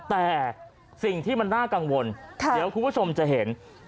แต่สิ่งที่มันน่ากังวลเดี๋ยวคุณผู้ชมจะเห็น